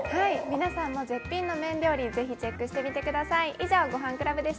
皆さんも、絶品の麺料理ぜひ、チェックしてみてください。